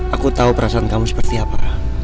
aku tahu perasaan kamu seperti apa